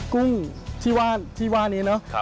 กุ้งที่ว่านี้เนอะ